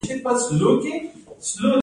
د تخار زلزلې څومره زیان اړوي؟